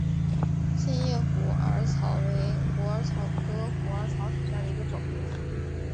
线叶虎耳草为虎耳草科虎耳草属下的一个种。